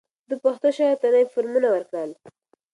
ده پښتو شعر ته نوي فورمونه ورکړل